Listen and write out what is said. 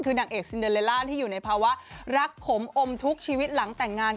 คือนางเอกซินเดอร์เลล่าที่อยู่ในภาวะรักขมอมทุกชีวิตหลังแต่งงาน